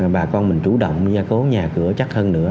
bà con mình chủ động giao cổ nhà cửa chắc hơn nữa